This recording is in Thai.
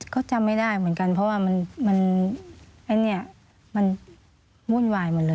ก็จำไม่ได้เหมือนกันเพราะว่ามันมุ่นวายหมดเลย